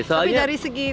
tapi dari segi tempatnya